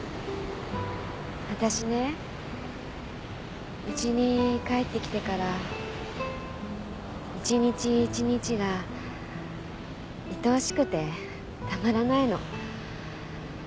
わたしねウチに帰ってきてから一日一日がいとおしくてたまらないの。